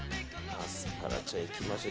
アスパラちゃんいきましょう。